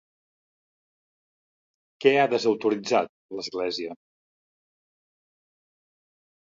Què ha desautoritzat l'Església?